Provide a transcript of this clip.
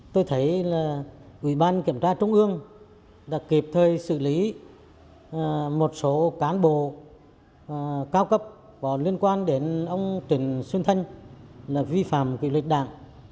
tôi thấy là ủy ban kiểm tra trung ương đã kịp thời xử lý một số cán bộ cao cấp có liên quan đến ông trần xuân thân là vi phạm kỷ luật đảng